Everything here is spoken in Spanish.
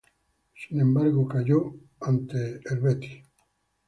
Sin embargo, cayó ante los Dallas Stars.